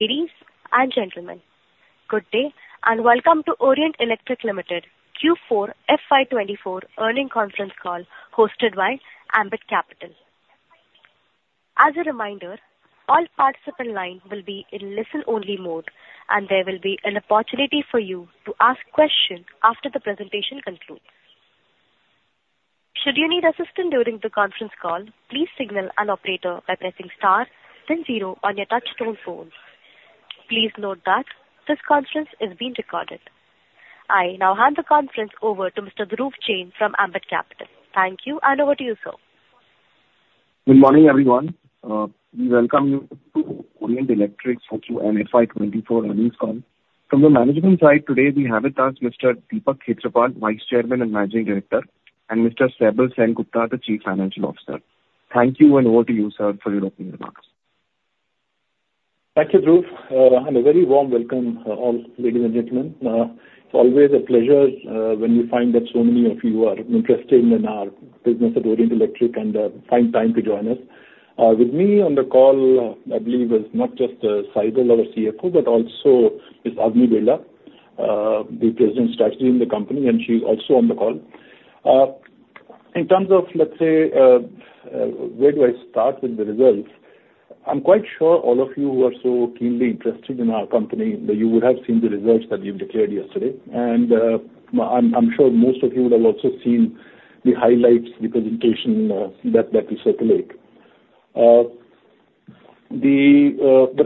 Ladies and gentlemen, good day and welcome to Orient Electric Limited Q4 FY24 earnings conference call hosted by Ambit Capital. As a reminder, all participant line will be in listen-only mode and there will be an opportunity for you to ask questions after the presentation concludes. Should you need assistance during the conference call, please signal an operator by pressing star, then zero on your touch-tone phone. Please note that this conference is being recorded. I now hand the conference over to Mr. Dhruv Jain from Ambit Capital. Thank you and over to you, sir. Good morning, everyone. We welcome you to Orient Electric's Q4 FY24 earnings call. From the management side today, we have with us Mr. Deepak Khetrapal, Vice Chairman and Managing Director, and Mr. Saibal Sengupta, the Chief Financial Officer. Thank you and over to you, sir, for your opening remarks. Thank you, Dhruv. A very warm welcome, all ladies and gentlemen. It's always a pleasure when we find that so many of you are interested in our business at Orient Electric and find time to join us. With me on the call, I believe, is not just Saibal, our CFO, but also Ms. Avani Birla, the President of Strategy in the company, and she's also on the call. In terms of, let's say, where do I start with the results, I'm quite sure all of you who are so keenly interested in our company, you would have seen the results that you've declared yesterday. I'm sure most of you would have also seen the highlights, the presentation that we circulate. But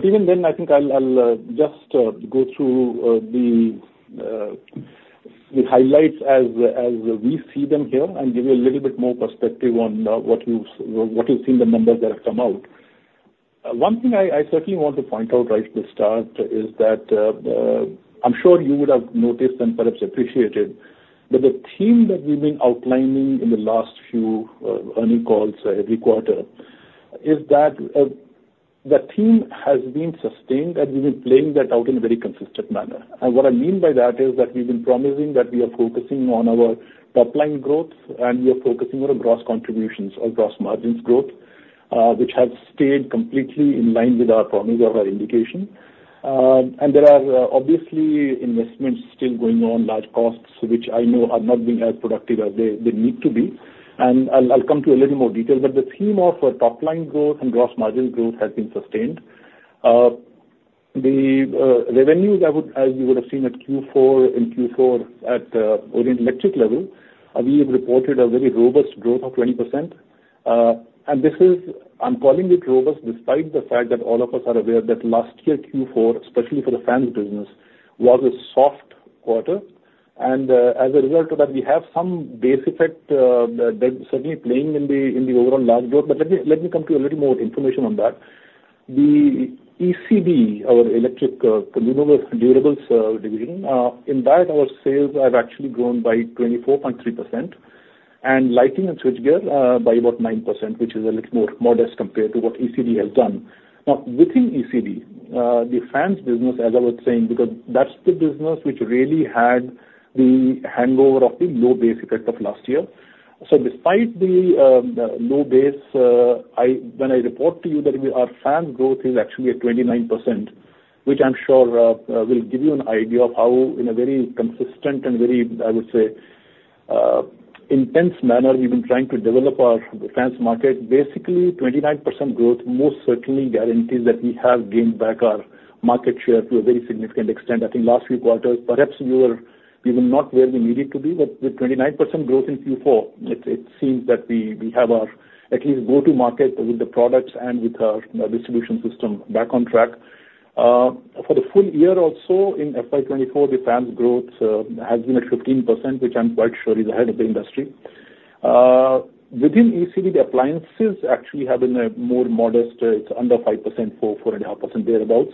even then, I think I'll just go through the highlights as we see them here and give you a little bit more perspective on what you've seen, the numbers that have come out. One thing I certainly want to point out right at the start is that I'm sure you would have noticed and perhaps appreciated that the theme that we've been outlining in the last few earnings calls every quarter is that the theme has been sustained and we've been playing that out in a very consistent manner. What I mean by that is that we've been promising that we are focusing on our top-line growth and we are focusing on our gross contributions or gross margins growth, which have stayed completely in line with our promise or our indication. There are obviously investments still going on, large costs, which I know are not being as productive as they need to be. I'll come to a little more detail, but the theme of our top-line growth and gross margins growth has been sustained. The revenues, as you would have seen at Q4 and Q4 at Orient Electric level, we have reported a very robust growth of 20%. I'm calling it robust despite the fact that all of us are aware that last year Q4, especially for the fans business, was a soft quarter. As a result of that, we have some base effect certainly playing in the overall large growth. But let me come to a little more information on that. The ECD, our Electrical Consumer Durables Division, in that, our sales have actually grown by 24.3% and lighting and switchgear by about 9%, which is a little more modest compared to what ECD has done. Now, within ECD, the fans business, as I was saying, because that's the business which really had the hangover of the low base effect of last year. So despite the low base, when I report to you that our fans growth is actually at 29%, which I'm sure will give you an idea of how, in a very consistent and very, I would say, intense manner, we've been trying to develop our fans market, basically, 29% growth most certainly guarantees that we have gained back our market share to a very significant extent, I think, last few quarters. Perhaps we were even not where we needed to be, but with 29% growth in Q4, it seems that we have our at least go-to market with the products and with our distribution system back on track. For the full year also, in FY2024, the fans growth has been at 15%, which I'm quite sure is ahead of the industry. Within ECD, the appliances actually have been more modest. It's under 5%, 4.5% thereabouts.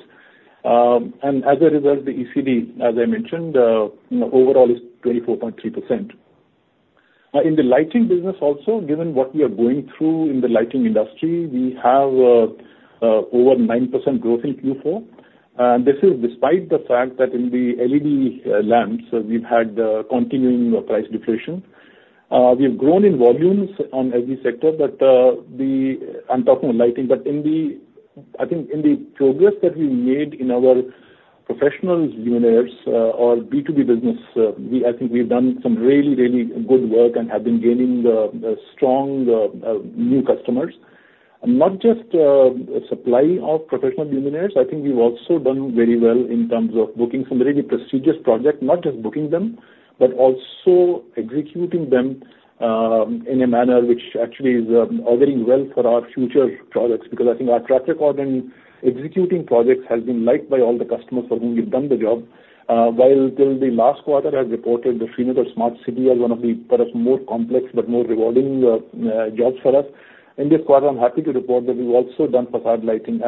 And as a result, the ECD, as I mentioned, overall is 24.3%. In the lighting business also, given what we are going through in the lighting industry, we have over 9% growth in Q4. And this is despite the fact that in the LED lamps, we've had continuing price deflation. We've grown in volumes on every sector, but I'm talking about lighting. But I think in the progress that we've made in our professionals' units or B2B business, I think we've done some really, really good work and have been gaining strong new customers. Not just supply of professional luminaires, I think we've also done very well in terms of booking some really prestigious projects, not just booking them, but also executing them in a manner which actually is auguring well for our future products because I think our track record in executing projects has been liked by all the customers for whom we've done the job. While till the last quarter, I had reported the Srinagar Smart City as one of the perhaps more complex but more rewarding jobs for us, in this quarter, I'm happy to report that we've also done façade lighting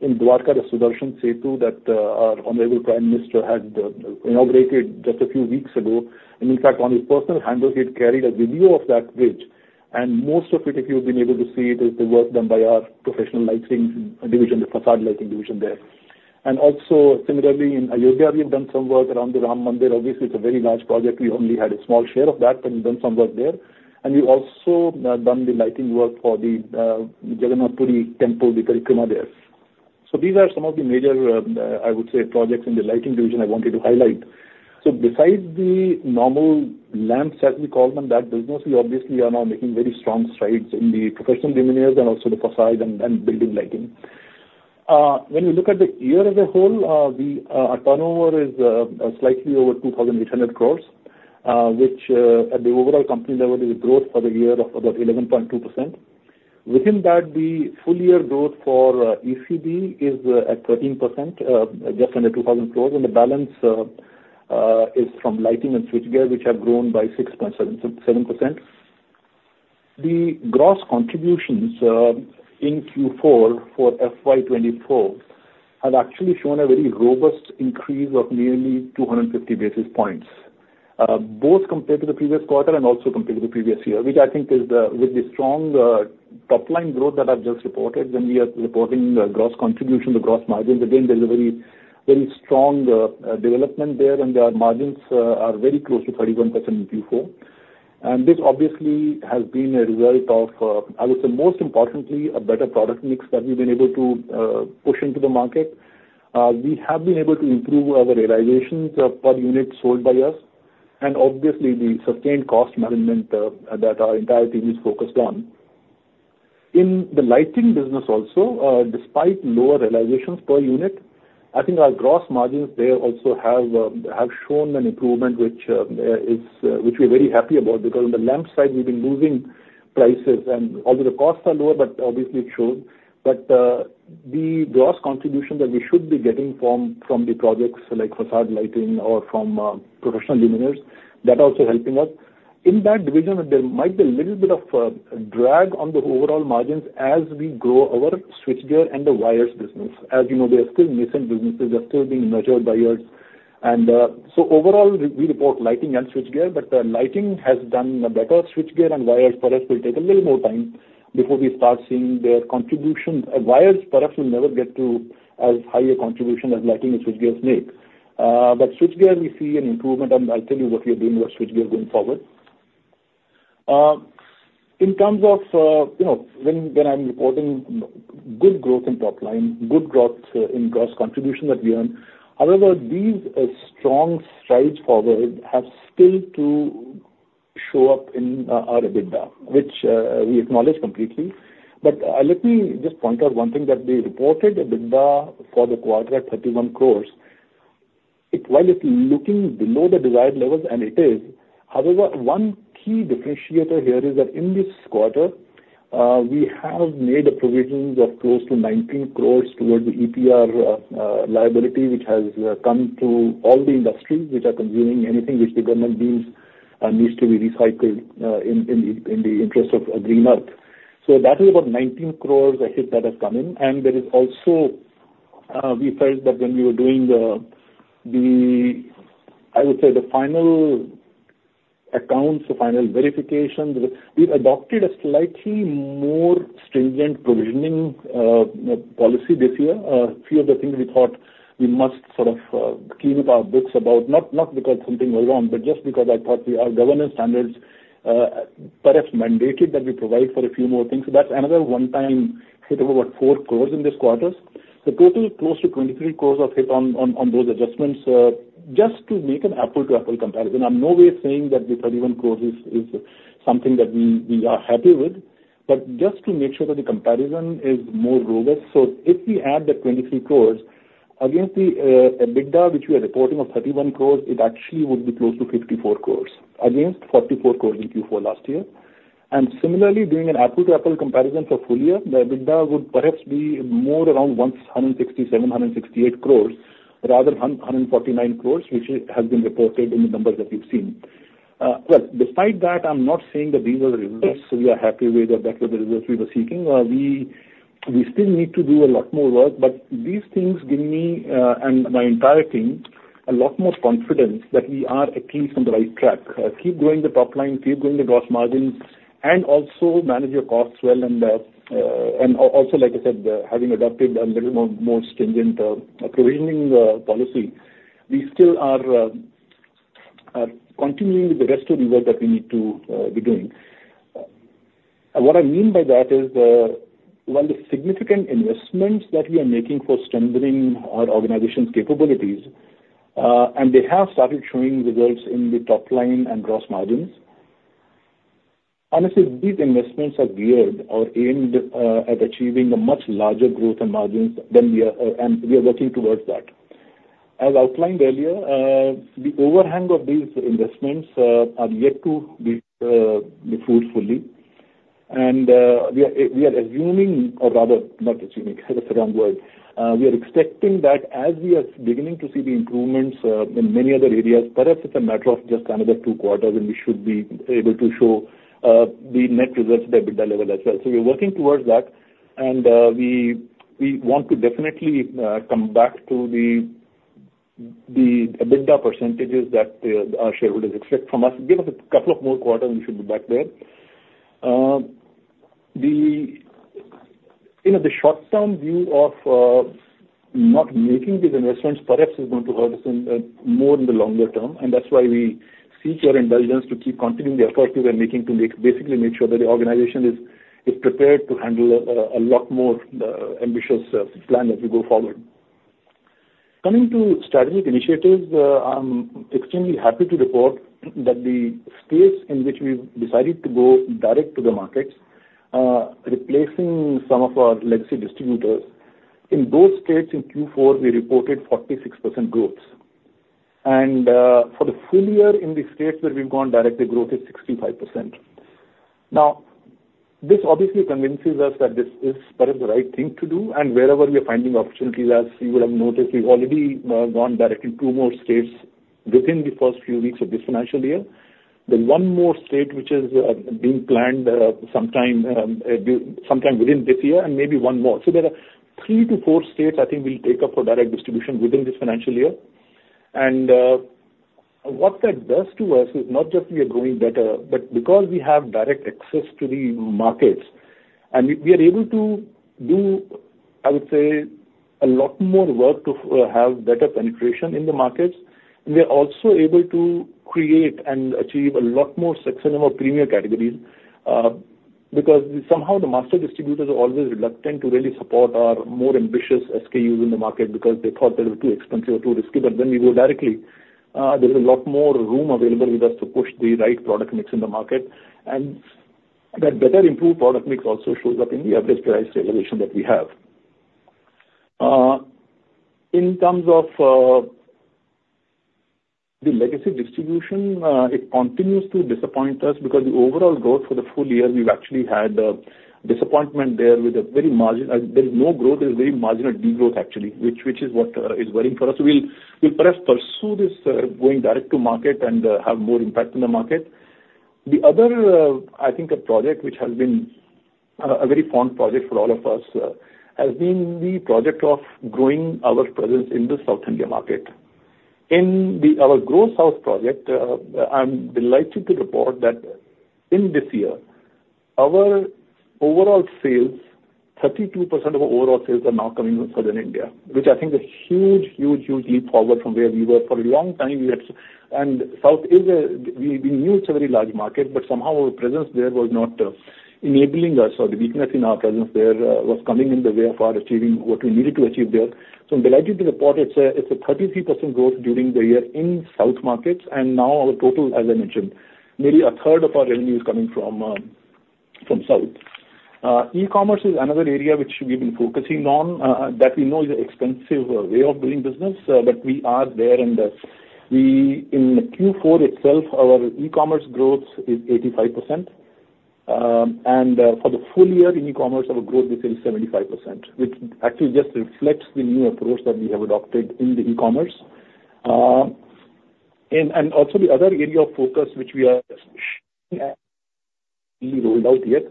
in Dwarka, the Sudarshan Setu that our Honorable Prime Minister had inaugurated just a few weeks ago. In fact, on his personal handles, he had carried a video of that bridge. Most of it, if you've been able to see it, is the work done by our professional lighting division, the façade lighting division there. Also, similarly, in Ayodhya, we have done some work around the Ram Mandir. Obviously, it's a very large project. We only had a small share of that, but we've done some work there. We've also done the lighting work for the Jagannath Puri Temple, the Parikrama there. These are some of the major, I would say, projects in the lighting division I wanted to highlight. Besides the normal lamps, as we call them, that business, we obviously are now making very strong strides in the professional luminaires and also the façade and building lighting. When you look at the year as a whole, our turnover is slightly over 2,800 crores, which at the overall company level, is a growth for the year of about 11.2%. Within that, the full-year growth for ECD is at 13%, just under 2,000 crores. The balance is from lighting and switchgear, which have grown by 6.7%. The gross contributions in Q4 for FY24 have actually shown a very robust increase of nearly 250 basis points, both compared to the previous quarter and also compared to the previous year, which I think is with the strong top-line growth that I've just reported when we are reporting the gross contribution, the gross margins, again, there's a very strong development there and our margins are very close to 31% in Q4. And this obviously has been a result of, I would say, most importantly, a better product mix that we've been able to push into the market. We have been able to improve our realizations per unit sold by us and obviously, the sustained cost management that our entirety is focused on. In the lighting business also, despite lower realizations per unit, I think our gross margins there also have shown an improvement, which we're very happy about because on the lamp side, we've been losing prices. And although the costs are lower, but obviously, it shows. But the gross contribution that we should be getting from the projects like façade lighting or from professional luminaires, that's also helping us. In that division, there might be a little bit of drag on the overall margins as we grow our switchgear and the wires business. As you know, they are still nascent businesses. They're still being nurtured by us. So overall, we report lighting and switchgear, but the lighting has done better. Switchgear and wires, perhaps, will take a little more time before we start seeing their contributions. Wires, perhaps, will never get to as high a contribution as lighting and switchgears make. But switchgear, we see an improvement and I'll tell you what we are doing with our switchgear going forward. In terms of when I'm reporting good growth in top-line, good growth in gross contribution that we earn, however, these strong strides forward have still to show up in our EBITDA, which we acknowledge completely. But let me just point out one thing that we reported EBITDA for the quarter at 31 crore. While it's looking below the desired levels, and it is, however, one key differentiator here is that in this quarter, we have made provisions of close to 19 crores towards the EPR liability, which has come to all the industries which are consuming anything which the government deems needs to be recycled in the interest of green earth. So that is about 19 crores a hit that has come in. And there is also we felt that when we were doing the, I would say, the final accounts, the final verifications, we've adopted a slightly more stringent provisioning policy this year. A few of the things we thought we must sort of clean up our books about, not because something was wrong, but just because I thought our governance standards perhaps mandated that we provide for a few more things. So that's another one-time hit of about 4 crore in this quarter. So total, close to 23 crore of hit on those adjustments, just to make an apple-to-apple comparison. I'm no way saying that the 31 crore is something that we are happy with, but just to make sure that the comparison is more robust. So if we add the 23 crore against the EBITDA which we are reporting of 31 crore, it actually would be close to 54 crore against 44 crore in Q4 last year. And similarly, doing an apple-to-apple comparison for full year, the EBITDA would perhaps be more around 167, 168 crore rather than 149 crore, which has been reported in the numbers that we've seen. Well, despite that, I'm not saying that these are the results we are happy with or that were the results we were seeking. We still need to do a lot more work, but these things give me and my entire team a lot more confidence that we are at least on the right track. Keep growing the top-line, keep growing the gross margins, and also manage your costs well. And also, like I said, having adopted a little more stringent provisioning policy, we still are continuing with the rest of the work that we need to be doing. What I mean by that is, while the significant investments that we are making for strengthening our organization's capabilities, and they have started showing results in the top-line and gross margins, honestly, these investments are geared or aimed at achieving a much larger growth and margins than we are and we are working towards that. As outlined earlier, the overhang of these investments are yet to be fruitfully. We are assuming or rather, not assuming. That's the wrong word. We are expecting that as we are beginning to see the improvements in many other areas, perhaps it's a matter of just another two quarters and we should be able to show the net results at the EBITDA level as well. So we're working towards that. And we want to definitely come back to the EBITDA percentages that our shareholders expect from us. Give us a couple of more quarters and we should be back there. In the short-term view of not making these investments, perhaps it's going to hurt us more in the longer term. And that's why we seek your indulgence to keep continuing the efforts we are making to basically make sure that the organization is prepared to handle a lot more ambitious plan as we go forward. Coming to strategic initiatives, I'm extremely happy to report that the states in which we've decided to go direct to the markets, replacing some of our legacy distributors, in both states in Q4, we reported 46% growth. For the full year in the states where we've gone direct, the growth is 65%. Now, this obviously convinces us that this is perhaps the right thing to do. Wherever we are finding opportunities, as you will have noticed, we've already gone direct in two more states within the first few weeks of this financial year. There's one more state which is being planned sometime within this year and maybe one more. So there are three to four states, I think, we'll take up for direct distribution within this financial year. And what that does to us is not just we are growing better, but because we have direct access to the markets and we are able to do, I would say, a lot more work to have better penetration in the markets, we are also able to create and achieve a lot more success in our premier categories because somehow the master distributors are always reluctant to really support our more ambitious SKUs in the market because they thought they were too expensive or too risky. But when we go directly, there's a lot more room available with us to push the right product mix in the market. And that better improved product mix also shows up in the average price realization that we have. In terms of the legacy distribution, it continues to disappoint us because the overall growth for the full year, we've actually had disappointment there with a very marginal, there is no growth. There is very marginal degrowth, actually, which is what is worrying for us. So we'll perhaps pursue this going direct to market and have more impact in the market. The other, I think, project which has been a very fond project for all of us has been the project of growing our presence in the South India market. In our GrowSouth project, I'm delighted to report that in this year, our overall sales, 32% of our overall sales are now coming from Southern India, which I think is a huge, huge, huge leap forward from where we were for a long time. South, as we knew, it's a very large market, but somehow our presence there was not enabling us or the weakness in our presence there was coming in the way of our achieving what we needed to achieve there. So I'm delighted to report it's 33% growth during the year in South markets. And now our total, as I mentioned, nearly a third of our revenue is coming from South. E-commerce is another area which we've been focusing on that we know is an expensive way of doing business, but we are there. And in Q4 itself, our e-commerce growth is 85%. And for the full year in e-commerce, our growth is 75%, which actually just reflects the new approach that we have adopted in the e-commerce. Also, the other area of focus, which we are actually rolled out yet,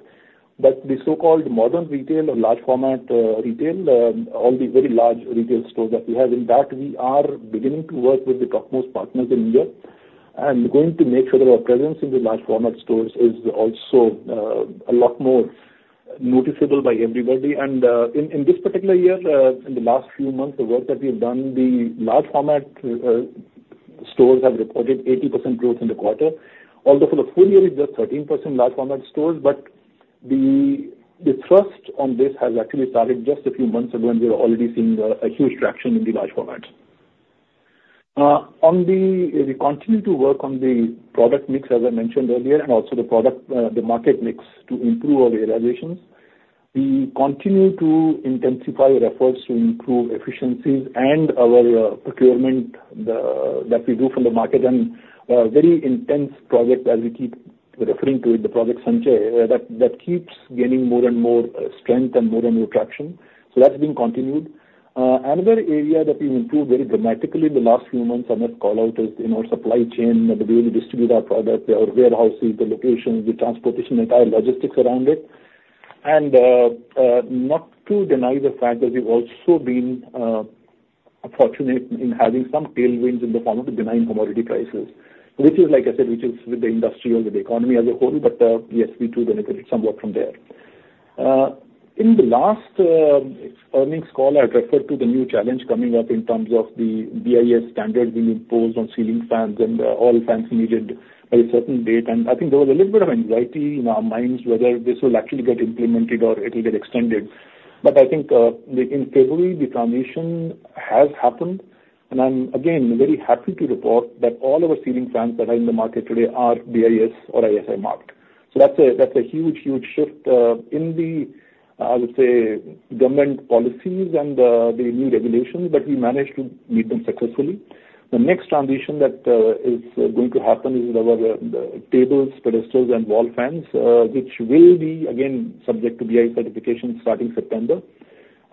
but the so-called modern retail or large-format retail—all the very large retail stores that we have in that—we are beginning to work with the topmost partners in India and going to make sure that our presence in the large-format stores is also a lot more noticeable by everybody. And in this particular year, in the last few months, the work that we have done, the large-format stores have reported 80% growth in the quarter. Although for the full year, it's just 13% large-format stores, but the thrust on this has actually started just a few months ago and we are already seeing a huge traction in the large format. We continue to work on the product mix, as I mentioned earlier, and also the market mix to improve our realizations. We continue to intensify our efforts to improve efficiencies and our procurement that we do from the market. And very intense project, as we keep referring to it, the Project Sanchay, that keeps gaining more and more strength and more and more traction. So that's being continued. Another area that we've improved very dramatically in the last few months, I must call out, is in our supply chain, the way we distribute our product, our warehouses, the locations, the transportation, the entire logistics around it. And not to deny the fact that we've also been fortunate in having some tailwinds in the form of the benign commodity prices, which is, like I said, which is with the industrial, with the economy as a whole. But yes, we do benefit somewhat from there. In the last earnings call, I referred to the new challenge coming up in terms of the BIS standards being imposed on ceiling fans and all fans needed by a certain date. I think there was a little bit of anxiety in our minds whether this will actually get implemented or it will get extended. I think in February, the transition has happened. I'm, again, very happy to report that all our ceiling fans that are in the market today are BIS or ISI marked. So that's a huge, huge shift in the, I would say, government policies and the new regulations, but we managed to meet them successfully. The next transition that is going to happen is our tables, pedestals, and wall fans, which will be, again, subject to BIS certification starting September.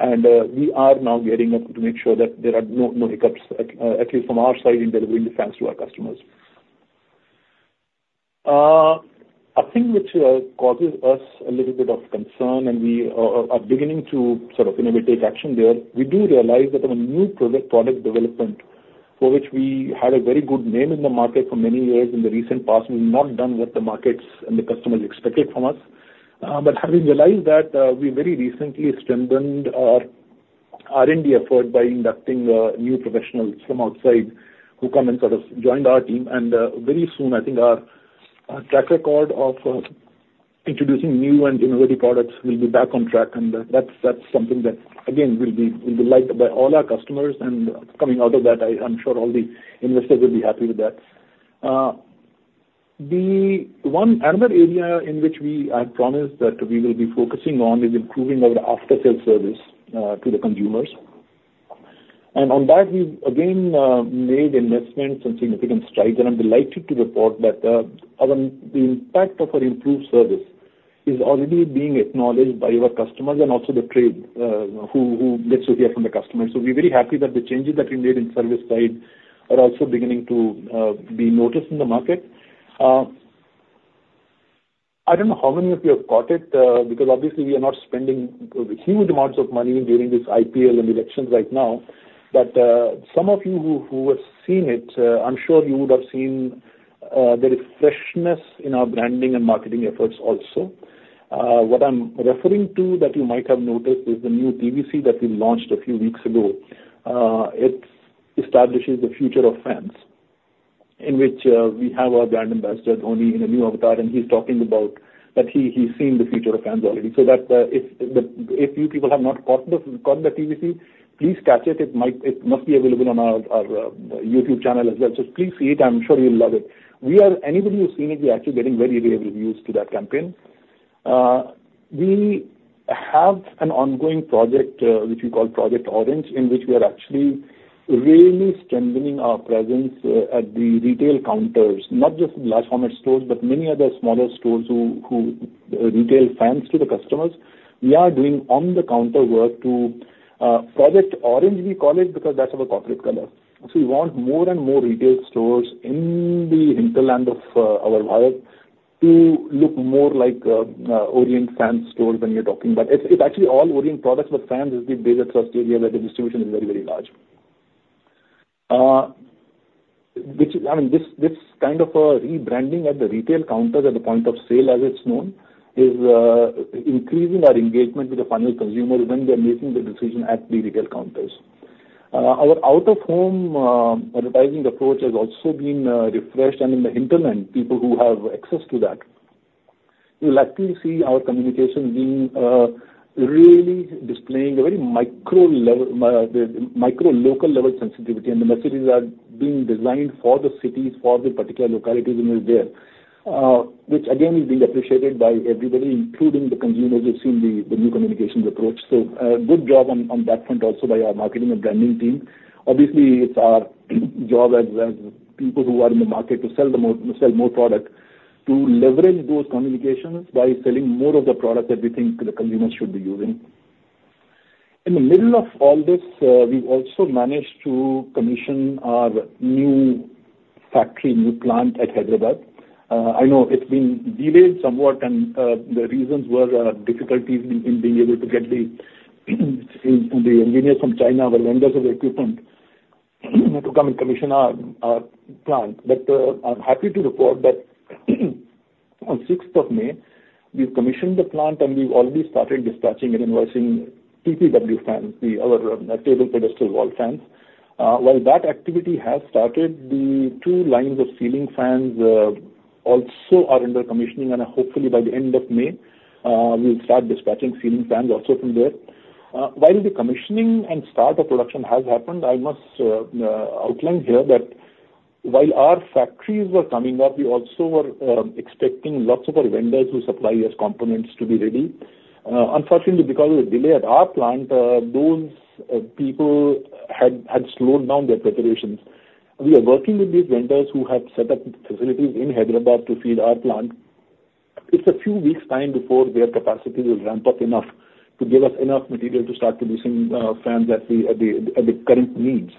We are now getting up to make sure that there are no hiccups, at least from our side, in delivering the fans to our customers. A thing which causes us a little bit of concern and we are beginning to sort of, in a way, take action there, we do realize that our new product development for which we had a very good name in the market for many years in the recent past, we've not done what the markets and the customers expected from us. But having realized that, we very recently strengthened our R&D effort by inducting new professionals from outside who come and sort of join our team. Very soon, I think our track record of introducing new and innovative products will be back on track. That's something that, again, will be liked by all our customers. And coming out of that, I'm sure all the investors will be happy with that. Another area in which I promised that we will be focusing on is improving our after-sales service to the consumers. And on that, we've, again, made investments and significant strides. And I'm delighted to report that the impact of our improved service is already being acknowledged by our customers and also the trade who gets to hear from the customers. So we're very happy that the changes that we made in service side are also beginning to be noticed in the market. I don't know how many of you have caught it because, obviously, we are not spending huge amounts of money during this IPL and elections right now. But some of you who have seen it, I'm sure you would have seen there is freshness in our branding and marketing efforts also. What I'm referring to that you might have noticed is the new TVC that we launched a few weeks ago. It establishes the future of fans in which we have our brand ambassador Dhoni in a new avatar. He's talking about that he's seen the future of fans already. So if you people have not caught the TVC, please catch it. It must be available on our YouTube channel as well. So please see it. I'm sure you'll love it. Anybody who's seen it, we're actually getting very rave reviews to that campaign. We have an ongoing project which we call Project Orange in which we are actually really strengthening our presence at the retail counters, not just large-format stores, but many other smaller stores who retail fans to the customers. We are doing on-the-counter work to Project Orange, we call it, because that's our corporate color. So we want more and more retail stores in the hinterland of our India to look more like Orient fan stores when you're talking. But it's actually all Orient products, but fans is the biggest thrust area where the distribution is very, very large. I mean, this kind of rebranding at the retail counters, at the point of sale as it's known, is increasing our engagement with the final consumers when they're making the decision at the retail counters. Our out-of-home advertising approach has also been refreshed. And in the hinterland, people who have access to that will actually see our communication really displaying a very micro, local-level sensitivity. And the messages are being designed for the cities, for the particular localities in which they're, which, again, is being appreciated by everybody, including the consumers who've seen the new communications approach. So good job on that front also by our marketing and branding team. Obviously, it's our job as people who are in the market to sell more product, to leverage those communications by selling more of the product that we think the consumers should be using. In the middle of all this, we've also managed to commission our new factory, new plant at Hyderabad. I know it's been delayed somewhat. The reasons were difficulties in being able to get the engineers from China or vendors of equipment to come and commission our plant. I'm happy to report that on 6th of May, we've commissioned the plant and we've already started dispatching and invoicing TPW fans, our table, pedestal, wall fans. While that activity has started, the two lines of ceiling fans also are under commissioning. Hopefully, by the end of May, we'll start dispatching ceiling fans also from there. While the commissioning and start of production has happened, I must outline here that while our factories were coming up, we also were expecting lots of our vendors who supply us components to be ready. Unfortunately, because of the delay at our plant, those people had slowed down their preparations. We are working with these vendors who have set up facilities in Hyderabad to feed our plant. It's a few weeks' time before their capacity will ramp up enough to give us enough material to start producing fans at the current needs.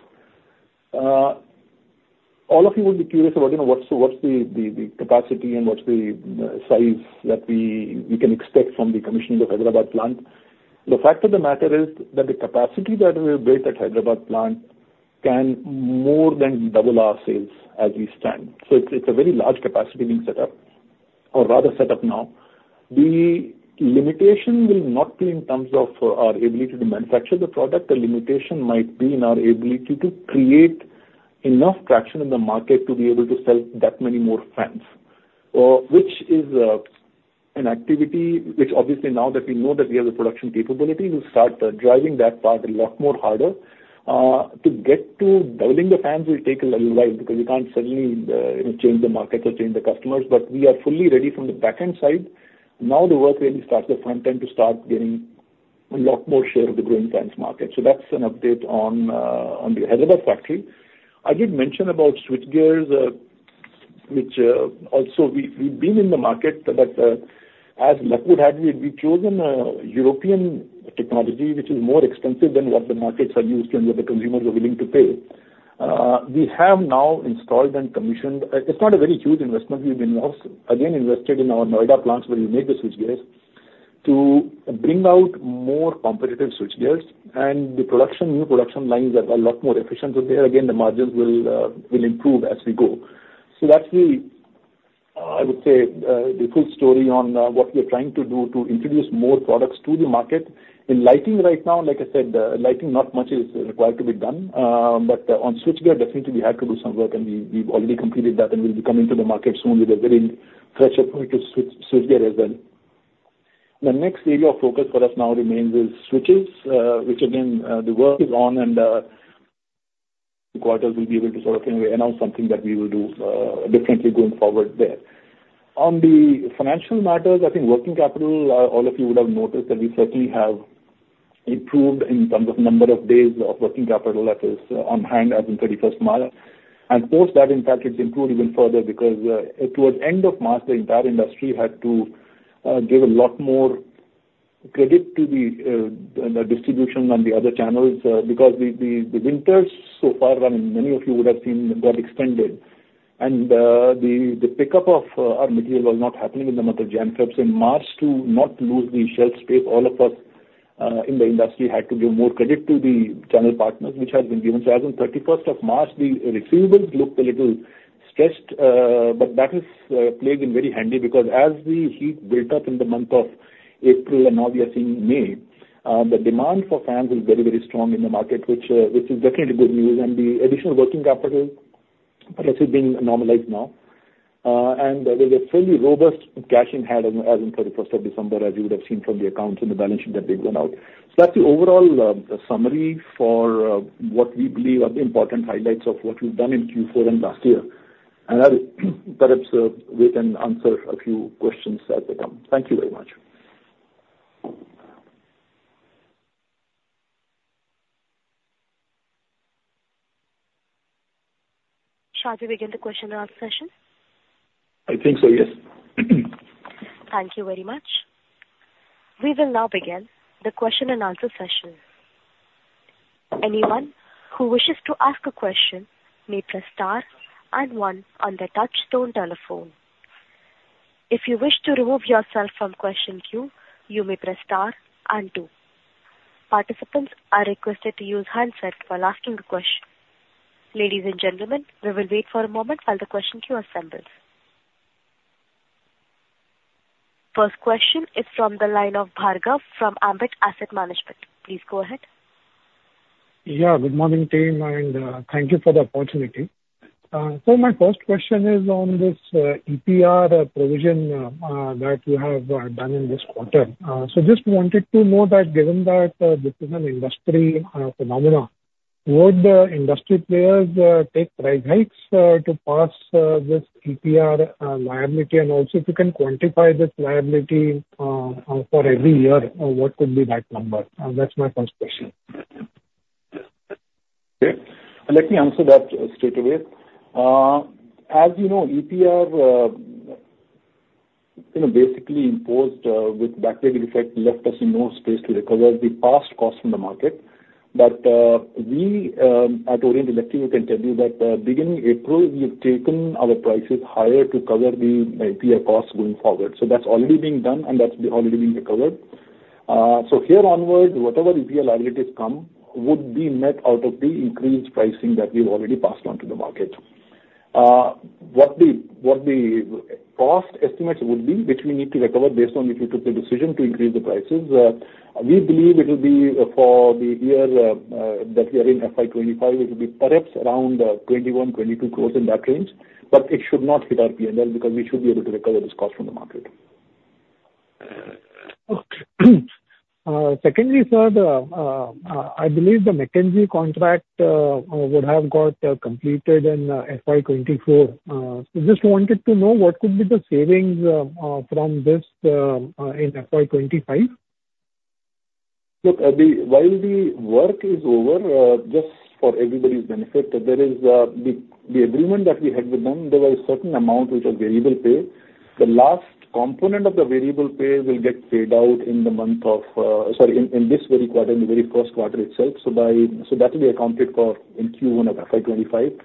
All of you would be curious about what's the capacity and what's the size that we can expect from the commissioning of the Hyderabad plant. The fact of the matter is that the capacity that we'll build at the Hyderabad plant can more than double our sales as we stand. So it's a very large capacity being set up, or rather set up now. The limitation will not be in terms of our ability to manufacture the product. The limitation might be in our ability to create enough traction in the market to be able to sell that many more fans, which is an activity which, obviously, now that we know that we have the production capability, we'll start driving that part a lot more harder. To get to doubling the fans will take a little while because you can't suddenly change the markets or change the customers. But we are fully ready from the backend side. Now the work really starts. The frontend to start getting a lot more share of the growing fans market. So that's an update on the Hyderabad factory. I did mention about switchgears, which also we've been in the market. But as luck would have, we've chosen a European technology which is more expensive than what the markets are used to and what the consumers are willing to pay. We have now installed and commissioned. It's not a very huge investment. We've, again, invested in our Noida plants where we make the switchgears to bring out more competitive switchgears. And the new production lines are a lot more efficient with there. Again, the margins will improve as we go. So that's the, I would say, the full story on what we are trying to do to introduce more products to the market. In lighting right now, like I said, lighting, not much is required to be done. But on switchgear, definitely, we have to do some work. We've already completed that. We'll be coming to the market soon with a very fresh approach to switchgear as well. The next area of focus for us now remains is switches, which, again, the work is on. The quarter will be able to sort of, in a way, announce something that we will do differently going forward there. On the financial matters, I think working capital, all of you would have noticed that we certainly have improved in terms of number of days of working capital that is on hand as in 31st March. And post that, in fact, it's improved even further because towards end of March, the entire industry had to give a lot more credit to the distribution on the other channels because the winters so far, I mean, many of you would have seen, got extended. The pickup of our material was not happening in the month of January, Feb. So in March, to not lose the shelf space, all of us in the industry had to give more credit to the channel partners, which has been given. So as on 31st of March, the receivables looked a little stretched. But that has played in very handy because as the heat built up in the month of April and now we are seeing May, the demand for fans is very, very strong in the market, which is definitely good news. And the additional working capital, but let's say, being normalized now. And there's a fairly robust cash in hand as on 31st of December, as you would have seen from the accounts and the balance sheet that they've gone out. That's the overall summary for what we believe are the important highlights of what we've done in Q4 and last year. Perhaps we can answer a few questions as they come. Thank you very much. Shall we can do question and answer session? I think so, yes. Thank you very much. We will now begin the question and answer session. Anyone who wishes to ask a question may press star and one on their touch-tone telephone. If you wish to remove yourself from question queue, you may press star and two. Participants are requested to use hands-free while asking a question. Ladies and gentlemen, we will wait for a moment while the question queue assembles. First question is from the line of Bhargav from Ambit Asset Management. Please go ahead. Yeah. Good morning, team. Thank you for the opportunity. My first question is on this EPR provision that you have done in this quarter. Just wanted to know that given that this is an industry phenomenon, would the industry players take price hikes to pass this EPR liability? Also, if you can quantify this liability for every year, what could be that number? That's my first question. Okay. Let me answer that straight away. As you know, EPR basically imposed with backdated effect, left us no space to recover the past cost from the market. But we at Orient Electric, we can tell you that beginning April, we have taken our prices higher to cover the EPR costs going forward. So that's already being done. And that's already being recovered. So here onward, whatever EPR liabilities come would be met out of the increased pricing that we've already passed on to the market. What the cost estimates would be, which we need to recover based on if you took the decision to increase the prices, we believe it will be for the year that we are in FY25, it will be perhaps around 21-22 crores in that range. It should not hit our P&L because we should be able to recover this cost from the market. Secondly, sir, I believe the McKinsey contract would have got completed in FY2024. So just wanted to know what could be the savings from this in FY2025? Look, while the work is over, just for everybody's benefit, there is the agreement that we had with them. There was a certain amount which was variable pay. The last component of the variable pay will get paid out in the month of sorry, in this very quarter, in the very first quarter itself. So that will be accounted for in Q1 of FY25.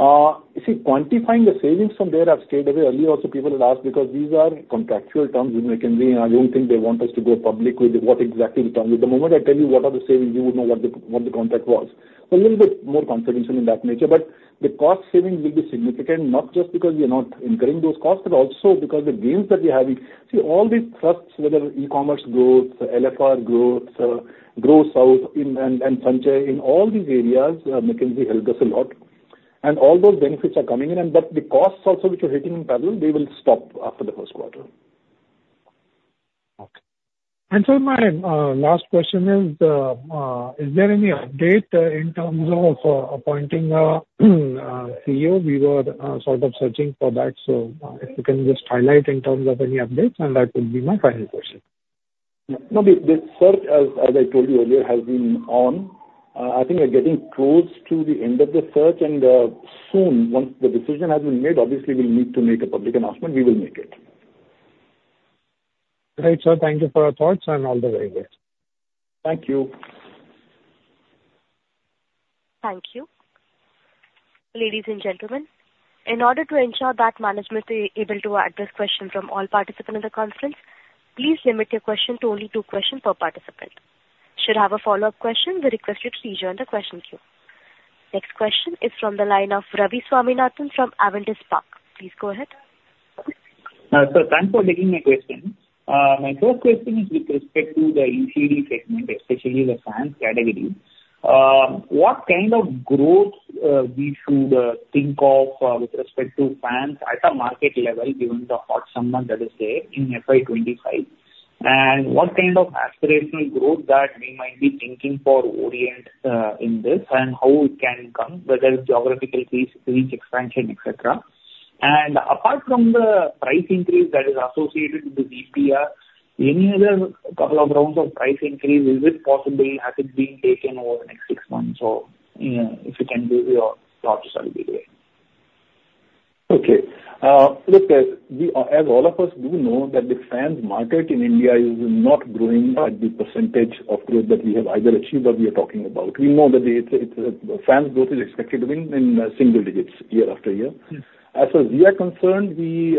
You see, quantifying the savings from there, I've stayed away earlier. Also, people had asked because these are contractual terms with McKinsey. And I don't think they want us to go public with what exactly the terms are. The moment I tell you what are the savings, you would know what the contract was. So a little bit more confidential in that nature. But the cost savings will be significant, not just because we are not incurring those costs, but also because the gains that we're having, all these thrusts, whether e-commerce growth, LFR growth, GrowSouth, and Sanchay, in all these areas, McKinsey helped us a lot. And all those benefits are coming in. But the costs also which are hitting in parallel, they will stop after the first quarter. Okay. Sir, my last question is, is there any update in terms of appointing a CEO? We were sort of searching for that. If you can just highlight in terms of any updates. That would be my final question. Yeah. No, the search, as I told you earlier, has been on. I think we're getting close to the end of the search. Soon, once the decision has been made, obviously, we'll need to make a public announcement. We will make it. Great, sir. Thank you for your thoughts and all the very good. Thank you. Thank you. Ladies and gentlemen, in order to ensure that management is able to address questions from all participants in the conference, please limit your question to only two questions per participant. Should you have a follow-up question, we request you to rejoin the question queue. Next question is from the line of Ravi Swaminathan from Avendus Spark. Please go ahead. Sir, thanks for taking my question. My first question is with respect to the ECD segment, especially the fans category. What kind of growth we should think of with respect to fans at a market level given the hot summer that is there in FY25? And what kind of aspirational growth that we might be thinking for Orient in this? And how it can come, whether geographical reach, expansion, etc.? And apart from the price increase that is associated with EPR, any other couple of rounds of price increase, is it possible? Has it been taken over the next six months? So if you can give your thoughts, I'll be great. Okay. Look, guys, as all of us do know, that the fans market in India is not growing at the percentage of growth that we have either achieved or we are talking about. We know that fans growth is expected to be in single digits year after year. As far as we are concerned, we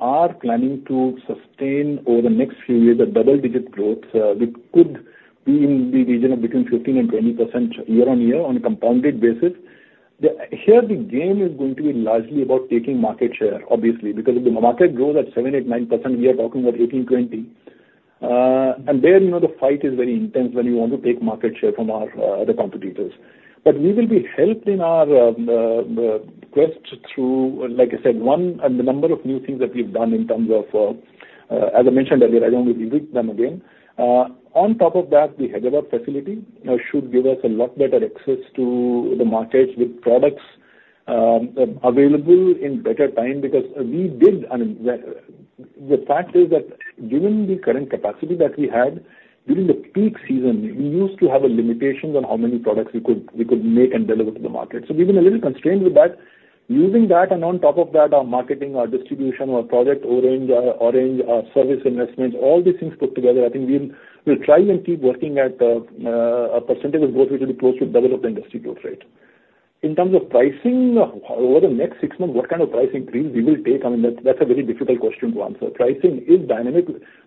are planning to sustain over the next few years a double-digit growth which could be in the region of between 15%-20% year-over-year on a compounded basis. Here, the game is going to be largely about taking market share, obviously, because if the market grows at 7%, 8%, 9%, we are talking about 18%-20%. And there, the fight is very intense when you want to take market share from the competitors. But we will be helped in our quest through, like I said, one, the number of new things that we've done in terms of as I mentioned earlier. I don't want to repeat them again. On top of that, the Hyderabad facility should give us a lot better access to the markets with products available in better time because, I mean, the fact is that given the current capacity that we had during the peak season, we used to have limitations on how many products we could make and deliver to the market. So we've been a little constrained with that. Using that, and on top of that, our marketing, our distribution, our project orange, our service investments, all these things put together, I think we'll try and keep working at a percentage of growth which will be close to double of the industry growth rate. In terms of pricing, over the next six months, what kind of price increase we will take? I mean, that's a very difficult question to answer. Pricing is dynamic.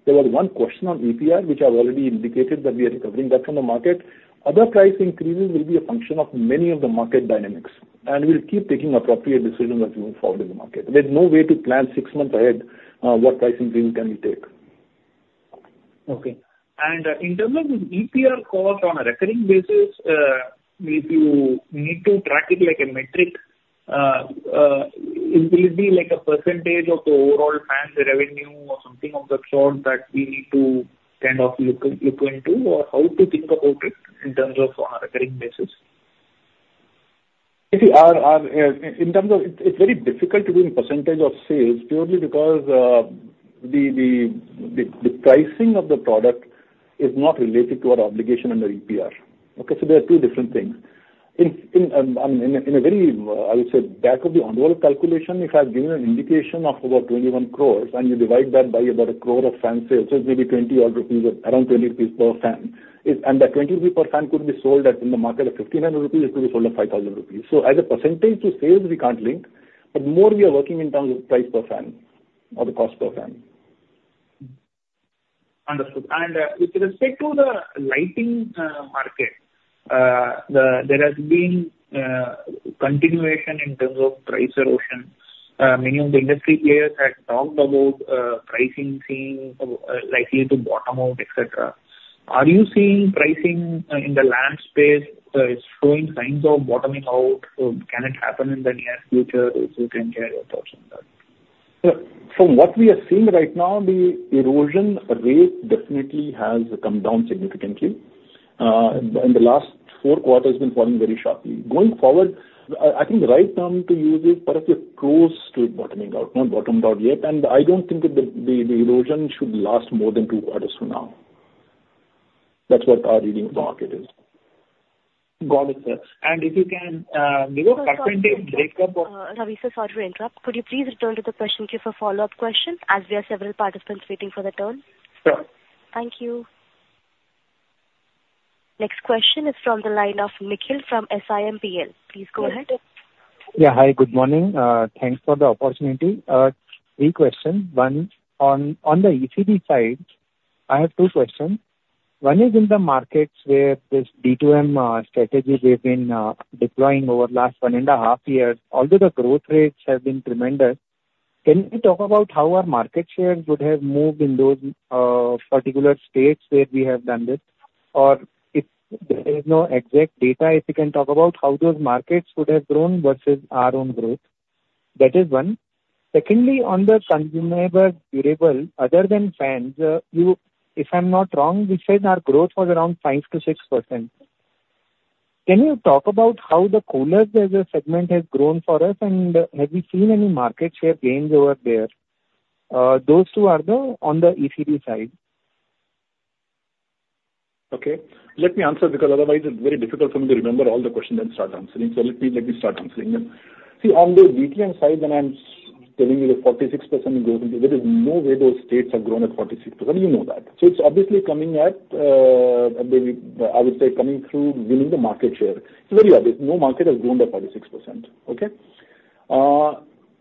There was one question on EPR which I've already indicated that we are recovering that from the market. Other price increases will be a function of many of the market dynamics. And we'll keep taking appropriate decisions as we move forward in the market. There's no way to plan six months ahead what price increase we can take. Okay. In terms of the EPR cost on a recurring basis, if you need to track it like a metric, will it be like a percentage of the overall fans revenue or something of that sort that we need to kind of look into or how to think about it in terms of on a recurring basis? You see, in terms of it's very difficult to do in percentage of sales purely because the pricing of the product is not related to our obligation under EPR. Okay? So there are two different things. I mean, in a very, I would say, back of the envelope calculation, if I've given an indication of about 21 crore and you divide that by about 1 crore of fan sales, so it's maybe 20-odd rupees, around 20 rupees per fan. And that 20 rupees per fan could be sold in the market at 1,500 rupees. It could be sold at 5,000 rupees. So as a percentage to sales, we can't link. But more, we are working in terms of price per fan or the cost per fan. Understood. With respect to the lighting market, there has been continuation in terms of price erosion. Many of the industry players had talked about pricing seeing likely to bottom out, etc. Are you seeing pricing in the LED space showing signs of bottoming out? Can it happen in the near future? If you can share your thoughts on that. Yeah. From what we are seeing right now, the erosion rate definitely has come down significantly. The last four quarters have been falling very sharply. Going forward, I think the right term to use is perhaps close to bottoming out, not bottomed out yet. I don't think that the erosion should last more than two quarters from now. That's what our reading of the market is. Got it, sir. And if you can give a percentage breakup of. Ravi sir, sorry to interrupt. Could you please return to the question queue for follow-up questions as we have several participants waiting for the turn? Sure. Thank you. Next question is from the line of Nikhil from SIMPL. Please go ahead. Yeah. Hi. Good morning. Thanks for the opportunity. Three questions. One, on the ECD side, I have two questions. One is in the markets where this D2M strategy we've been deploying over the last one and a half years, although the growth rates have been tremendous, can you talk about how our market shares would have moved in those particular states where we have done this? Or if there is no exact data, if you can talk about how those markets would have grown versus our own growth. That is one. Secondly, on the consumer durable, other than fans, if I'm not wrong, we said our growth was around 5%-6%. Can you talk about how the coolers as a segment has grown for us? And have we seen any market share gains over there? Those two are on the ECD side. Okay. Let me answer because otherwise, it's very difficult for me to remember all the questions and start answering. So let me start answering them. See, on the D2M side, when I'm telling you the 46% growth, there is no way those states have grown at 46%. You know that. So it's obviously coming at, I would say, coming through winning the market share. It's very obvious. No market has grown by 46%. Okay?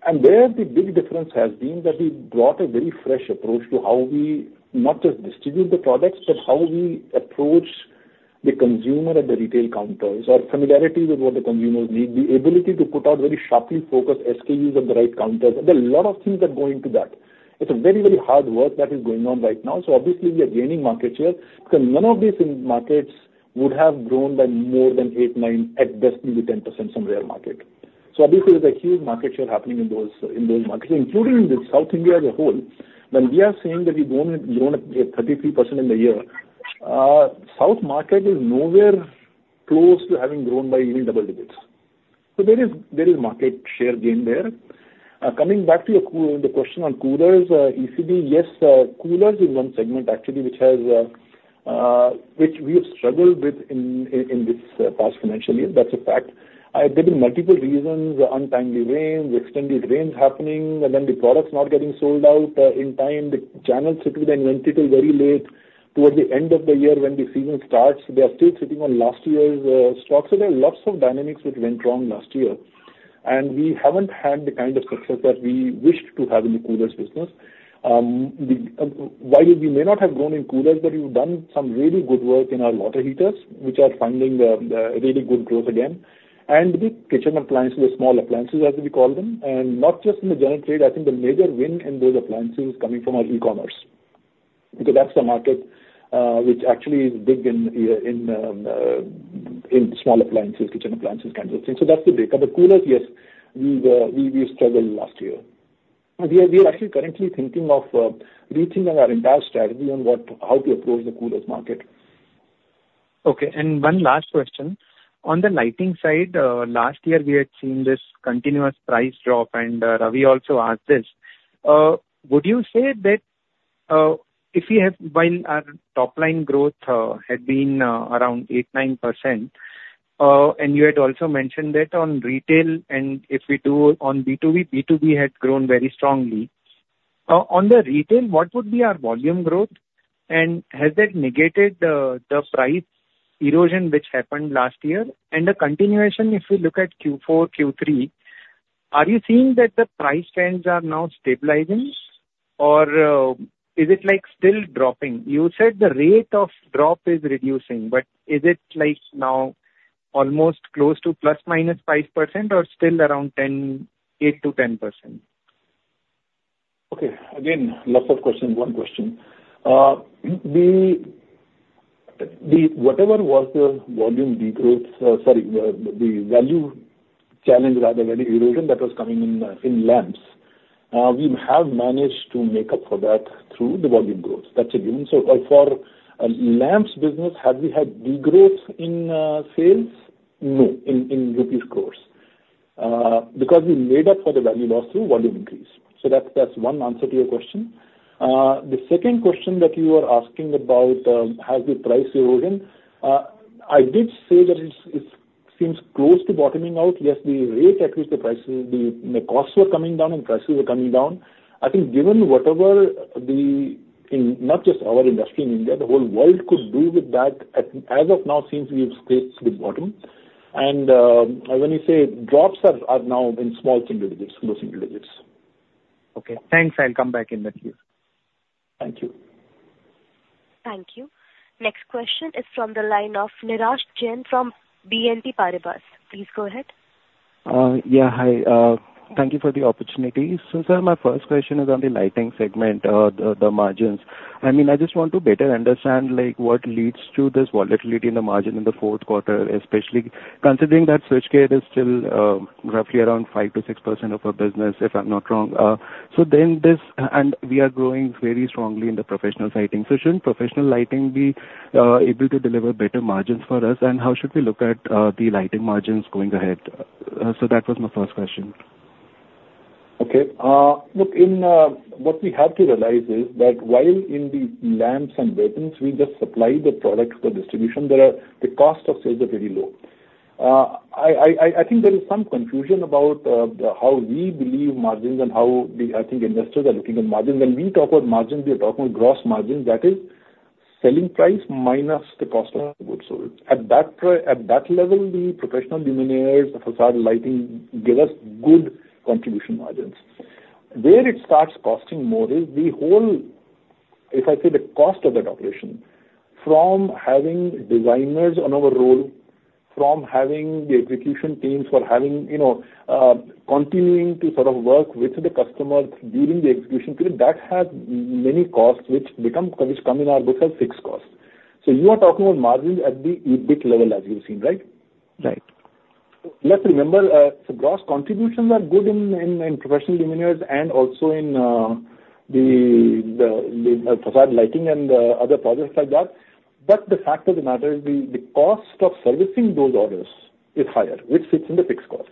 And there, the big difference has been that we brought a very fresh approach to how we not just distribute the products but how we approach the consumer at the retail counters or familiarity with what the consumers need, the ability to put out very sharply focused SKUs at the right counters. There are a lot of things that go into that. It's a very, very hard work that is going on right now. So obviously, we are gaining market share because none of these markets would have grown by more than 8, 9, at best maybe 10%. Some rare market. So obviously, there's a huge market share happening in those markets, including in South India as a whole. When we are saying that we've grown at 33% in the year, South market is nowhere close to having grown by even double digits. So there is market share gain there. Coming back to the question on coolers, ECD, yes, coolers is one segment, actually, which we have struggled with in this past financial year. That's a fact. There have been multiple reasons, untimely rains, extended rains happening, and then the products not getting sold out in time. The channels that we then went into very late towards the end of the year, when the season starts, they are still sitting on last year's stocks. So there are lots of dynamics which went wrong last year. And we haven't had the kind of success that we wished to have in the coolers business. While we may not have grown in coolers, but we've done some really good work in our water heaters which are finding really good growth again and the kitchen appliances, the small appliances, as we call them. And not just in the general trade, I think the major win in those appliances is coming from our e-commerce because that's the market which actually is big in small appliances, kitchen appliances, kinds of things. So that's the data. But coolers, yes, we struggled last year. We are actually currently thinking of reaching on our entire strategy on how to approach the coolers market. Okay. And one last question. On the lighting side, last year, we had seen this continuous price drop. And Ravi also asked this. Would you say that if we have while our top-line growth had been around 8%-9%, and you had also mentioned that on retail and if we do on B2B, B2B had grown very strongly, on the retail, what would be our volume growth? And has that negated the price erosion which happened last year? And the continuation, if we look at Q4, Q3, are you seeing that the price trends are now stabilizing? Or is it still dropping? You said the rate of drop is reducing. But is it now almost close to ±5% or still around 8%-10%? Okay. Again, lots of questions. One question. Whatever was the volume degrowth sorry, the value challenge, rather, value erosion that was coming in lamps, we have managed to make up for that through the volume growth. That's a given. So for a lamps business, have we had degrowth in sales, no, in INR crores because we made up for the value loss through volume increase. So that's one answer to your question. The second question that you were asking about, has the price erosion? I did say that it seems close to bottoming out. Yes, the rate at which the costs were coming down and prices were coming down, I think given whatever not just our industry in India, the whole world could do with that, as of now, seems we've scraped the bottom. And when you say drops, are now in small single digits, low single digits. Okay. Thanks. I'll come back in that case. Thank you. Thank you. Next question is from the line of Nirransh Jain from BNP Paribas. Please go ahead. Yeah. Hi. Thank you for the opportunity. So sir, my first question is on the lighting segment, the margins. I mean, I just want to better understand what leads to this volatility in the margin in the fourth quarter, especially considering that switchgear is still roughly around 5%-6% of our business, if I'm not wrong. So then this and we are growing very strongly in the professional lighting. So shouldn't professional lighting be able to deliver better margins for us? And how should we look at the lighting margins going ahead? So that was my first question. Okay. Look, what we have to realize is that while in the lamps and switches, we just supply the products for distribution, the cost of sales are pretty low. I think there is some confusion about how we believe margins and how, I think, investors are looking at margins. When we talk about margins, we are talking about gross margins. That is selling price minus the cost of the goods sold. At that level, the professional luminaires, the façade lighting, give us good contribution margins. Where it starts costing more is the whole, if I say, the cost of that operation, from having designers on our payroll, from having the execution teams for having continuing to sort of work with the customers during the execution period, that has many costs which come in our books as fixed costs. So you are talking about margins at the EBIT level, as you've seen, right? Right. Let's remember, so gross contributions are good in professional luminaires and also in the façade lighting and other projects like that. But the fact of the matter is the cost of servicing those orders is higher, which sits in the fixed cost.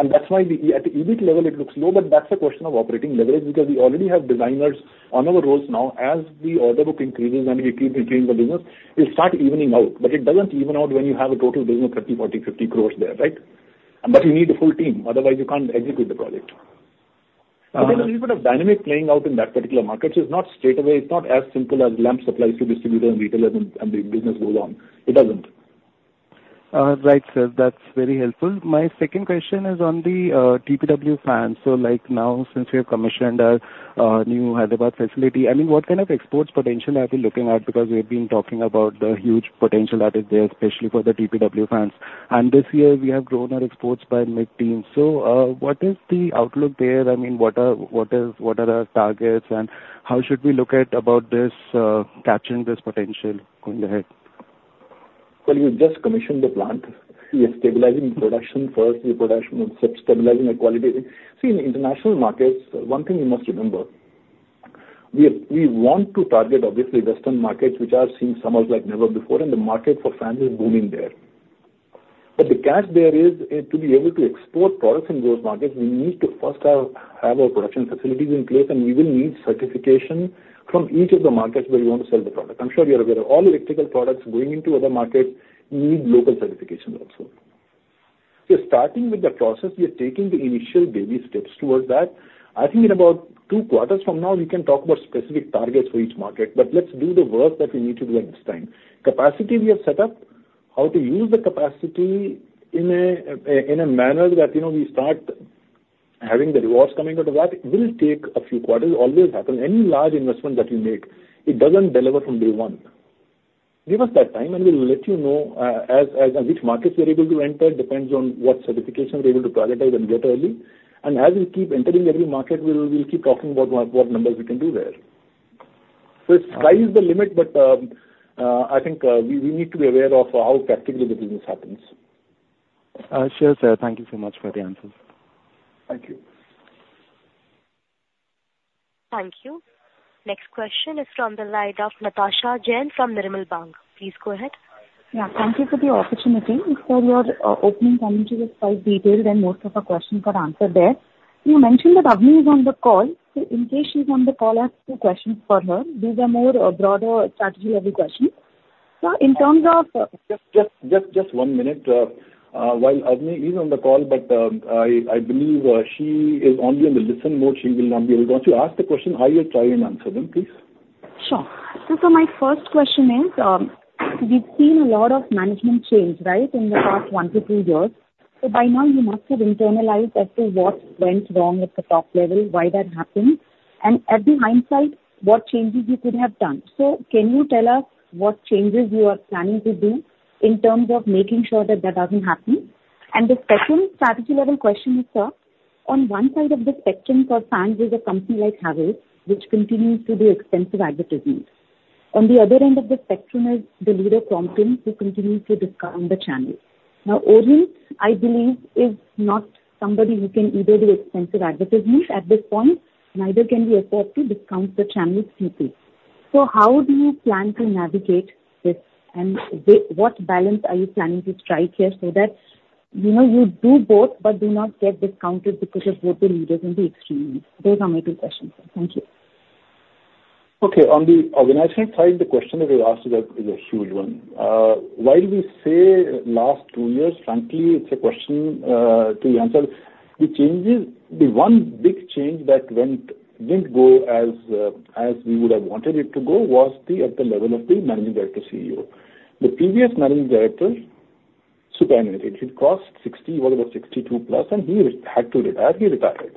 And that's why at the EBIT level, it looks low. But that's a question of operating leverage because we already have designers on our roles now. As the order book increases and we keep increasing the business, it'll start evening out. But it doesn't even out when you have a total business of 30 crore, 40 crore, 50 crore there, right? But you need a full team. Otherwise, you can't execute the project. So there's a little bit of dynamic playing out in that particular market. So it's not straight away. It's not as simple as lamps supplies to distributors and retailers, and the business goes on. It doesn't. Right, sir. That's very helpful. My second question is on the TPW fans. So now since we have commissioned our new Hyderabad facility, I mean, what kind of exports potential are we looking at? Because we have been talking about the huge potential that is there, especially for the TPW fans. And this year, we have grown our exports by mid-teens. So what is the outlook there? I mean, what are the targets? And how should we look at about capturing this potential going ahead? Well, we've just commissioned the plant. We are stabilizing production first, stabilizing the quality. See, in international markets, one thing you must remember, we want to target, obviously, Western markets which are seeing summers like never before. And the market for fans is booming there. But the catch there is, to be able to export products in those markets, we need to first have our production facilities in place. And we will need certification from each of the markets where we want to sell the product. I'm sure you're aware. All electrical products going into other markets need local certifications also. So starting with the process, we are taking the initial daily steps towards that. I think in about two quarters from now, we can talk about specific targets for each market. But let's do the work that we need to do at this time. Capacity we have set up, how to use the capacity in a manner that we start having the rewards coming out of that, will take a few quarters. Always happens. Any large investment that you make, it doesn't deliver from day one. Give us that time, and we'll let you know which markets we're able to enter. It depends on what certification we're able to prioritize and get early. And as we keep entering every market, we'll keep talking about what numbers we can do there. So sky is the limit. But I think we need to be aware of how practically the business happens. Sure, sir. Thank you so much for the answers. Thank you. Thank you. Next question is from the line of Natasha Jain from Nirmal Bang. Please go ahead. Yeah. Thank you for the opportunity. Sir, your opening comment was quite detailed. Most of our questions got answered there. You mentioned that Avani is on the call. So in case she's on the call, I have two questions for her. These are more broader strategy-level questions. So in terms. Just one minute. While Avani is on the call, but I believe she is only in the listen mode. She will not be able to answer. Ask the question. I will try and answer them, please. Sure. My first question is, we've seen a lot of management change, right, in the past one to two years. So by now, you must have internalized as to what went wrong at the top level, why that happened, and at the hindsight, what changes you could have done. So can you tell us what changes you are planning to do in terms of making sure that that doesn't happen? And the second strategy-level question is, sir, on one side of the spectrum for fans is a company like Havells, which continues to do extensive advertisement. On the other end of the spectrum is the leader Crompton, who continues to discount the channels' features. Now, Orient, I believe, is not somebody who can either do extensive advertisement at this point, neither can we afford to discount the channels' features. So how do you plan to navigate this? What balance are you planning to strike here so that you do both but do not get discounted because of both the leaders and the extremes? Those are my two questions, sir. Thank you. Okay. On the organizational side, the question that you asked is a huge one. While we say last two years, frankly, it's a question to be answered, the one big change that didn't go as we would have wanted it to go was the at the level of the Managing Director/CEO. The previous Managing Director superannuated. He was 60, was about 62+. And he had to retire. He retired.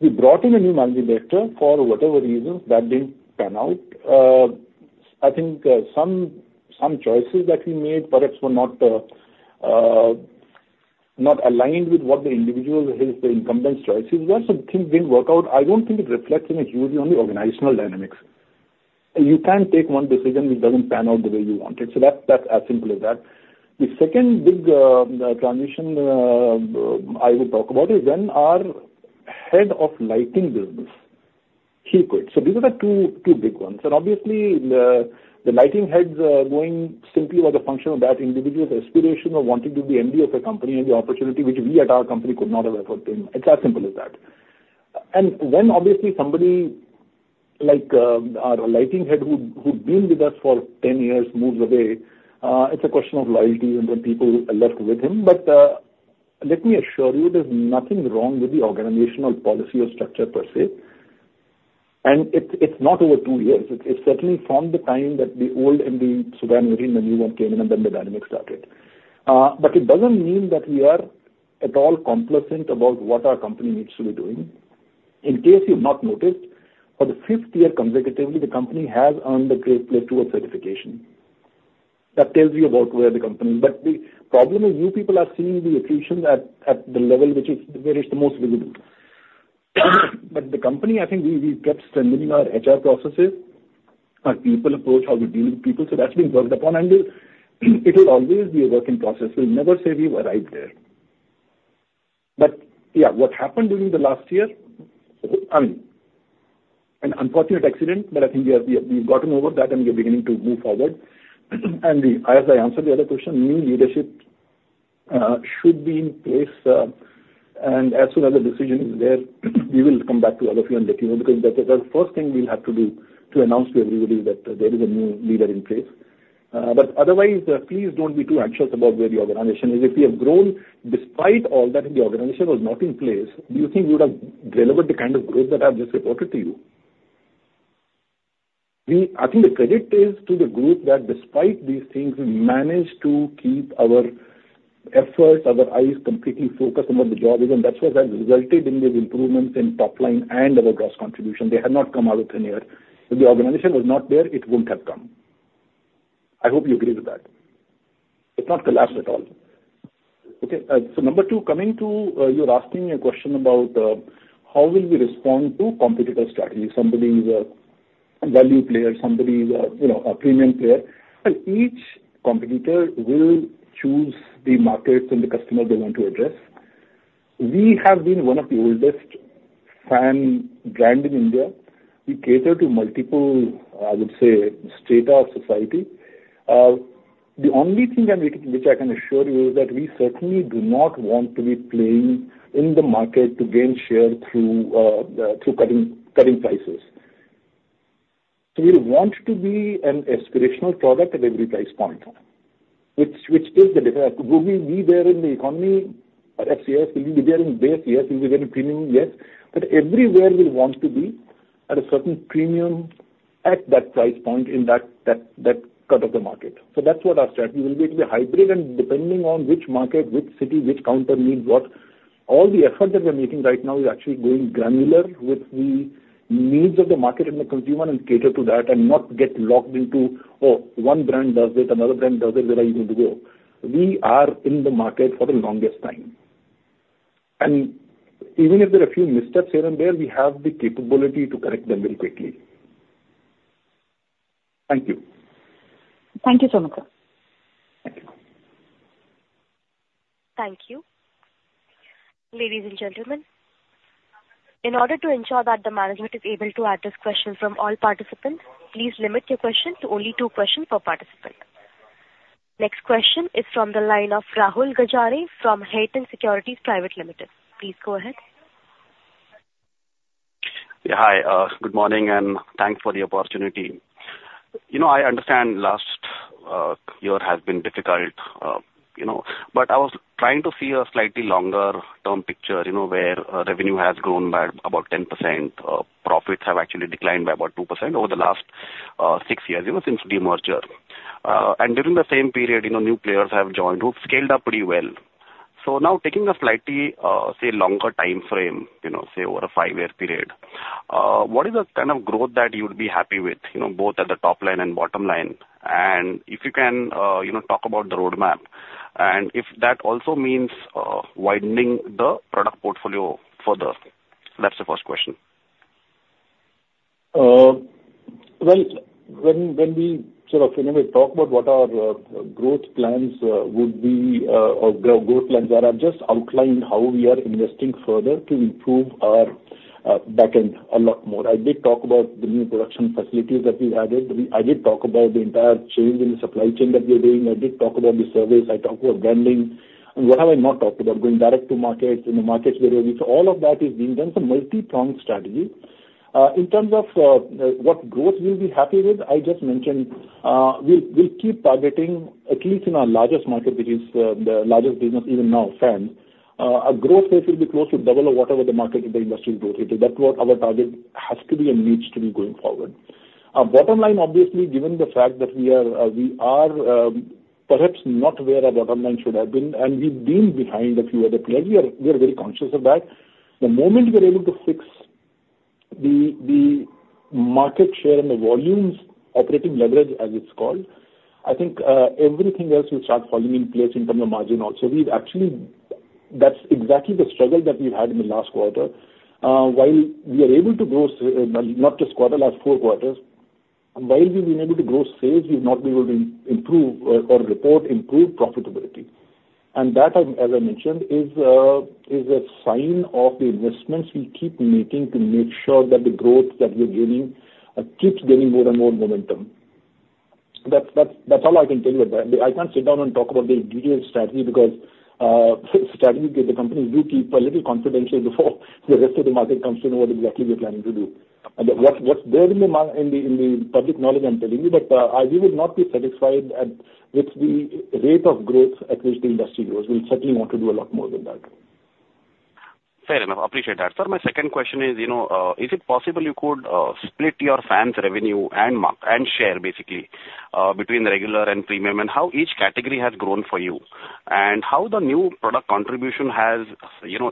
We brought in a new Managing Director. For whatever reasons, that didn't pan out. I think some choices that we made perhaps were not aligned with what the individual his incumbent's choices were. So things didn't work out. I don't think it reflects in a huge way on the organizational dynamics. You can't take one decision which doesn't pan out the way you want it. So that's as simple as that. The second big transition I will talk about is when our head of lighting business, he quit. These are the two big ones. Obviously, the lighting head's going simply was a function of that individual's aspiration of wanting to be MD of a company and the opportunity which we at our company could not have afforded to him. It's as simple as that. When, obviously, somebody like our lighting head who'd been with us for 10 years moves away, it's a question of loyalty and the people left with him. But let me assure you, there's nothing wrong with the organizational policy or structure per se. It's not over 2 years. It's certainly from the time that the old MD superannuated and the new one came in, and then the dynamics started. But it doesn't mean that we are at all complacent about what our company needs to be doing. In case you've not noticed, for the fifth year consecutively, the company has earned the Great Place to Work certification. That tells you about where the company is. But the problem is, new people are seeing the attrition at the level where it's the most visible. But the company, I think, we kept strengthening our HR processes, our people approach, how we deal with people. So that's been worked upon. And it will always be a working process. We'll never say we've arrived there. But yeah, what happened during the last year I mean, an unfortunate accident. But I think we've gotten over that, and we are beginning to move forward. And as I answered the other question, new leadership should be in place. As soon as the decision is there, we will come back to all of you and let you know because that's the first thing we'll have to do to announce to everybody that there is a new leader in place. But otherwise, please don't be too anxious about where the organization is. If we have grown despite all that and the organization was not in place, do you think we would have delivered the kind of growth that I've just reported to you? I think the credit is to the group that, despite these things, we managed to keep our efforts, our eyes completely focused on what the job is. And that's what has resulted in these improvements in top line and our gross contribution. They had not come out of thin air. If the organization was not there, it won't have come. I hope you agree with that. It's not collapsed at all. Okay. So number two, coming to you're asking a question about how will we respond to competitor strategy, somebody's value player, somebody's a premium player. Well, each competitor will choose the markets and the customers they want to address. We have been one of the oldest fan brands in India. We cater to multiple, I would say, strata of society. The only thing which I can assure you is that we certainly do not want to be playing in the market to gain share through cutting prices. So we want to be an aspirational product at every price point, which is the difference. Will we be there in the economy? Yes, will we be there in base? Yes. Will we be there in premium? Yes. But everywhere, we'll want to be at a certain premium at that price point in that cut of the market. That's what our strategy will be. It'll be hybrid. Depending on which market, which city, which counter needs what, all the effort that we're making right now is actually going granular with the needs of the market and the consumer and cater to that and not get locked into, "Oh, one brand does it. Another brand does it. Where are you going to go?" We are in the market for the longest time. Even if there are a few missteps here and there, we have the capability to correct them very quickly. Thank you. Thank you so much, sir. Thank you. Thank you. Ladies and gentlemen, in order to ensure that the management is able to address questions from all participants, please limit your questions to only two questions per participant. Next question is from the line of Rahul Gajare from Haitong Securities Private Limited. Please go ahead. Yeah. Hi. Good morning. And thanks for the opportunity. I understand last year has been difficult. But I was trying to see a slightly longer-term picture where revenue has grown by about 10%, profits have actually declined by about 2% over the last 6 years, even since the merger. And during the same period, new players have joined who've scaled up pretty well. So now, taking a slightly, say, longer time frame, say, over a 5-year period, what is the kind of growth that you would be happy with, both at the top line and bottom line? And if you can talk about the roadmap and if that also means widening the product portfolio further. That's the first question. Well, when we sort of finish, we talk about what our growth plans would be or growth plans are. I've just outlined how we are investing further to improve our back end a lot more. I did talk about the new production facilities that we've added. I did talk about the entire change in the supply chain that we're doing. I did talk about the service. I talked about branding. And what have I not talked about? Going direct to markets, in the markets where we so all of that is being done. It's a multi-pronged strategy. In terms of what growth we'll be happy with, I just mentioned, we'll keep targeting, at least in our largest market, which is the largest business even now, fans, a growth rate will be close to double or whatever the market or the industry growth rate. That's what our target has to be and needs to be going forward. Our bottom line, obviously, given the fact that we are perhaps not where our bottom line should have been. We've been behind a few other players. We are very conscious of that. The moment we're able to fix the market share and the volumes, operating leverage, as it's called, I think everything else will start falling in place in terms of margin also. That's exactly the struggle that we've had in the last quarter. While we are able to grow not just quarter, last four quarters, while we've been able to grow sales, we've not been able to improve or report improved profitability. That, as I mentioned, is a sign of the investments we keep making to make sure that the growth that we're gaining keeps gaining more and more momentum. That's all I can tell you about it. I can't sit down and talk about the detailed strategy because strategy group, the companies, do keep a little confidential before the rest of the market comes to know what exactly we're planning to do and what's there in the public knowledge, I'm telling you. But we would not be satisfied with the rate of growth at which the industry grows. We'll certainly want to do a lot more than that. Fair enough. I appreciate that. Sir, my second question is, is it possible you could split your fans' revenue and share, basically, between regular and premium and how each category has grown for you and how the new product contribution has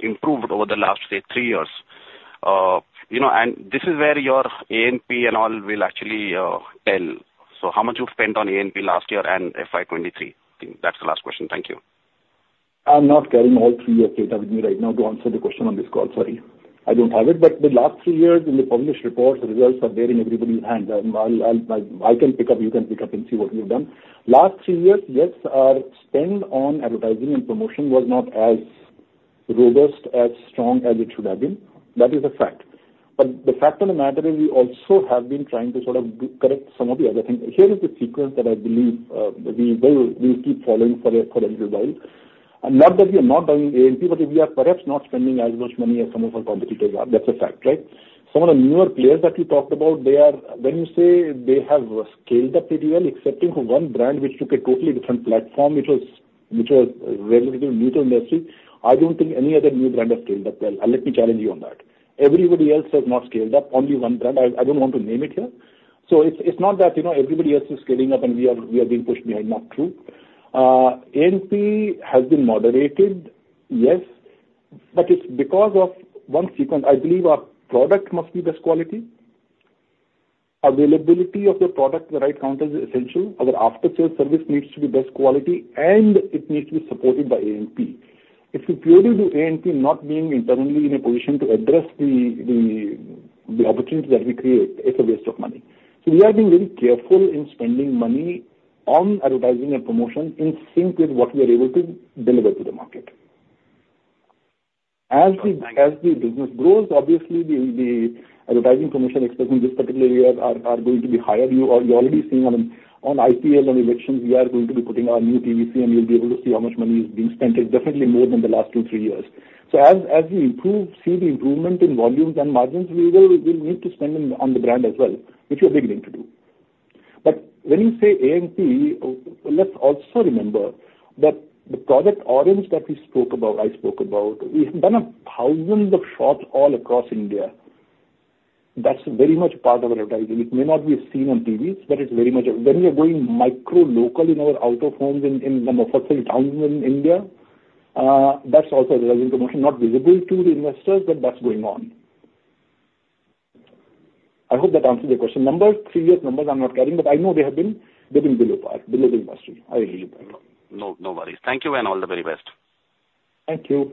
improved over the last, say, three years? And this is where your A&P and all will actually tell. So how much you've spent on A&P last year and FY2023? I think that's the last question. Thank you. I'm not carrying all three-year data with me right now to answer the question on this call. Sorry. I don't have it. But the last three years, in the published reports, the results are there in everybody's hands. I can pick up. You can pick up and see what we've done. Last three years, yes, our spend on advertising and promotion was not as robust, as strong, as it should have been. That is a fact. But the fact of the matter is, we also have been trying to sort of correct some of the other things. Here is the sequence that I believe we will keep following for a little while. Not that we are not doing A&P, but we are perhaps not spending as much money as some of our competitors are. That's a fact, right? Some of the newer players that you talked about, when you say they have scaled up pretty well, excepting for one brand which took a totally different platform, which was relatively new to the industry, I don't think any other new brand has scaled up well. Let me challenge you on that. Everybody else has not scaled up. Only one brand. I don't want to name it here. So it's not that everybody else is scaling up, and we are being pushed behind. Not true. A&P has been moderated. Yes. But it's because of one sequence. I believe our product must be best quality. Availability of the product to the right counter is essential. Our after-sales service needs to be best quality. And it needs to be supported by A&P. If we purely do A&P, not being internally in a position to address the opportunity that we create, it's a waste of money. So we are being very careful in spending money on advertising and promotion in sync with what we are able to deliver to the market. As the business grows, obviously, the advertising promotion experts in this particular year are going to be hired. You're already seeing on IPL and elections, we are going to be putting our new PVC. And you'll be able to see how much money is being spent here, definitely more than the last two, three years. So as we see the improvement in volumes and margins, we will need to spend on the brand as well, which we're beginning to do. But when you say A&P, let's also remember that the Project orange that I spoke about, we have done thousands of shops all across India. That's very much part of advertising. It may not be seen on TVs, but it's very much when we are going micro-local in our out-of-home in the mofussil towns in India, that's also advertising promotion, not visible to the investors, but that's going on. I hope that answers your question. Number three-year numbers, I'm not carrying. But I know they have been below par, below the industry. I agree with that. No worries. Thank you and all the very best. Thank you.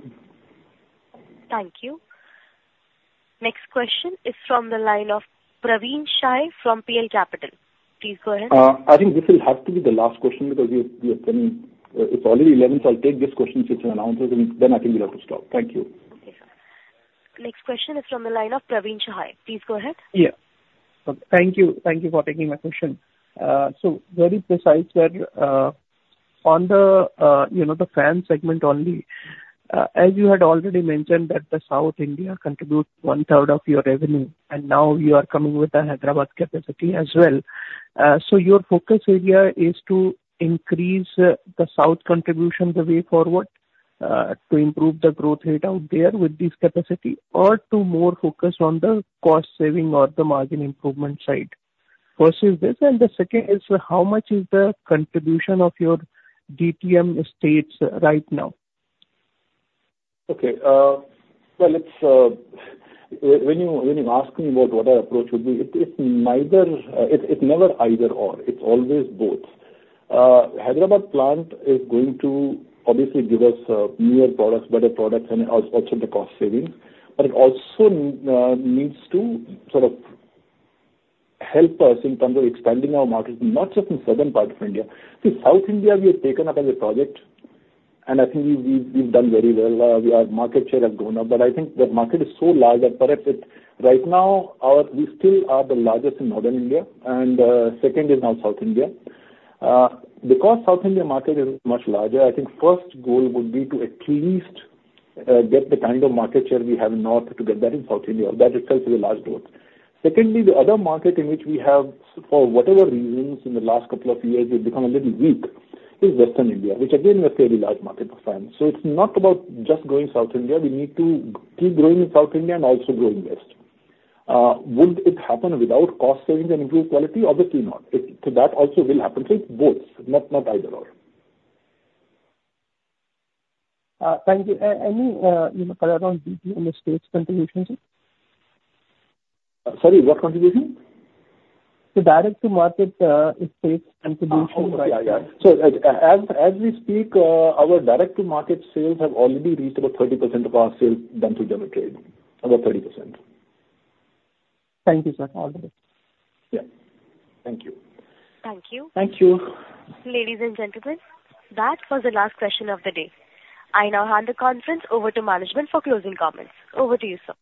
Thank you. Next question is from the line of Praveen Sahay from PL Capital. Please go ahead. I think this will have to be the last question because we have plenty, it's already 11:00 A.M. So I'll take this question since it announces. And then, I think we'll have to stop. Thank you. Okay, sir. Next question is from the line of Praveen Sahay. Please go ahead. Yeah. Thank you. Thank you for taking my question. So very precise, sir. On the fans segment only, as you had already mentioned, that the South India contributes one-third of your revenue. And now, you are coming with the Hyderabad capacity as well. So your focus area is to increase the South contribution the way forward, to improve the growth rate out there with this capacity, or to more focus on the cost-saving or the margin improvement side versus this? And the second is, how much is the contribution of your D2M states right now? Okay. Well, when you ask me about what our approach would be, it's never either/or. It's always both. Hyderabad plant is going to, obviously, give us newer products, better products, and also the cost savings. But it also needs to sort of help us in terms of expanding our markets, not just in the southern part of India. See, South India, we have taken up as a project. I think we've done very well. Our market share has gone up. But I think the market is so large that perhaps, right now, we still are the largest in northern India. Second is now South India. Because South India market is much larger, I think first goal would be to at least get the kind of market share we have in north to get that in South India. That itself is a large goal. Secondly, the other market in which we have, for whatever reasons, in the last couple of years, we've become a little weak is Western India, which, again, was a very large market for fans. So it's not about just going south India. We need to keep growing in south India and also growing West. Would it happen without cost savings and improved quality? Obviously, not. So that also will happen. So it's both, not either/or. Thank you. Any color on D2M states contributions, sir? Sorry. What contribution? The direct-to-market state's contribution by. Oh, okay. Yeah. Yeah. So as we speak, our direct-to-market sales have already reached about 30% of our sales done through general trade, about 30%. Thank you, sir. All the best. Yeah. Thank you. Thank you. Thank you. Ladies and gentlemen, that was the last question of the day. I now hand the conference over to management for closing comments. Over to you, sir.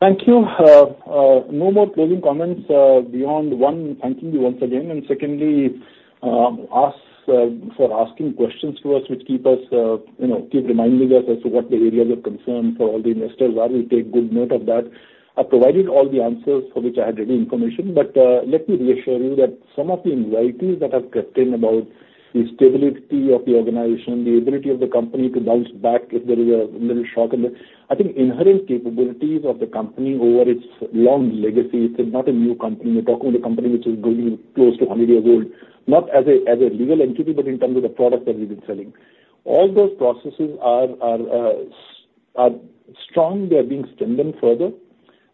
Thank you. No more closing comments beyond one, thanking you once again. And secondly, for asking questions to us, which keep reminding us as to what the areas of concern for all the investors are. We take good note of that. I provided all the answers for which I had ready information. But let me reassure you that some of the anxieties that have kept in about the stability of the organization, the ability of the company to bounce back if there is a little shock in the I think inherent capabilities of the company over its long legacy. It's not a new company. We're talking about a company which is going close to 100 years old, not as a legal entity, but in terms of the product that we've been selling. All those processes are strong. They are being strengthened further.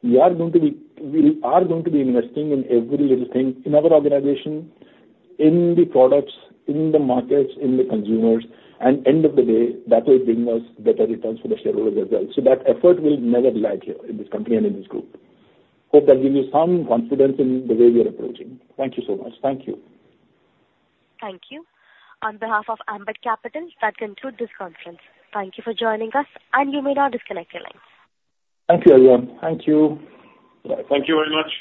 We are going to be investing in every little thing in our organization, in the products, in the markets, in the consumers. And end of the day, that will bring us better returns for the shareholders as well. So that effort will never lag here in this company and in this group. Hope that gives you some confidence in the way we are approaching. Thank you so much. Thank you. Thank you. On behalf of Ambit Capital, that concludes this conference. Thank you for joining us. You may now disconnect your lines. Thank you, everyone. Thank you. Thank you very much.